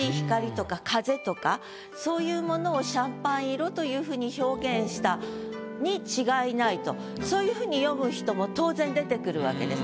そういうものをシャンパン色というふうに表現したに違いないとそういうふうに読む人も当然出てくるわけです。